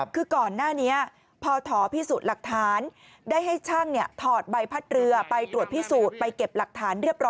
คือก่อนหน้านี้พอถอพิสูจน์หลักฐาน